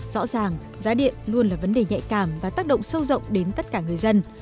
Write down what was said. rõ ràng giá điện luôn là vấn đề nhạy cảm và tác động sâu rộng đến tất cả người dân